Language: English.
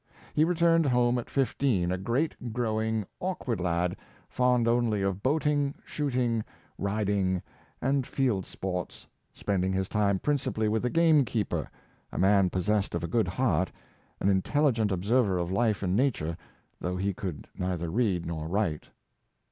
He returned home at fifteen, a great, grow ing, awkward lad, fond only of boating, shooting, rid ing, and field sports — spending his time principally with 292 Buxton's Energy of Character, the game keeper, a man possessed of a good heart, an intelligent observer of life and nature, though he could neither read nor write.